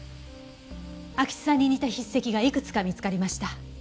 安芸津さんに似た筆跡がいくつか見つかりました。